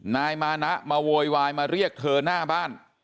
นายมานะมาโวยวายมาเรียกเธอหน้าบ้าน